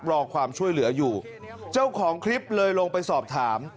รอความช่วยเหลืออยู่เจ้าของคลิปเลยลงไปสอบถาม